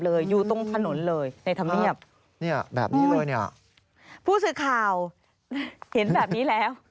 เห็นแบบนี้แล้ว